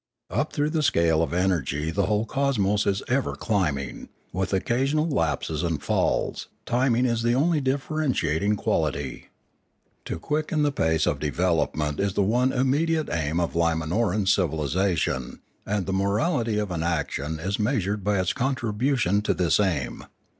Up through the scale of energy the whole cosmos is ever climbing, with occasional lapses and falls, time be ing the pnly differentiating quality. To quicken the 622 Limanora pace of development is the one immediate aim of Lim anoran civilisation, and the morality of an action is measured by its contribution to this aim.